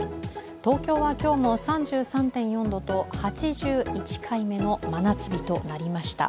東京は今日も３３．４度と８１回目の真夏日となりました。